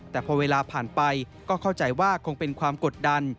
แต่พอเวลาผ่านไปก็เข้าใจว่าคงเป็นความกดดัน